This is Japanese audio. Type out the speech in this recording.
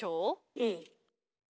うん。